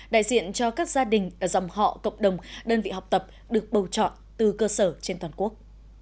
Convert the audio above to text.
đại diện cho các gia đình dòng họ cộng đồng đơn vị học tập được bầu chọn từ cơ sở trên toàn quốc